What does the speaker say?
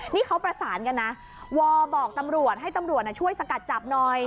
นี่เขาประสานกันนะวอลบอกตำรวจให้ตำรวจช่วยสกัดจับหน่อย